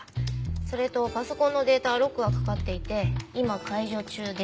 それとパソコンのデータはロックがかかっていて今解除中です。